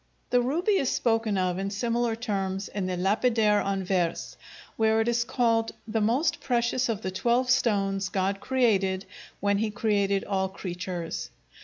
The ruby is spoken of in similar terms in the "Lapidaire en Vers," where it is called "the most precious of the twelve stones God created when He created all creatures".